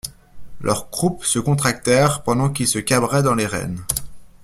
Leurs croupes se contractèrent, pendant qu'ils se cabraient dans les rênes.